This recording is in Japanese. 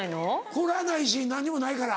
凝らないし何にもないから。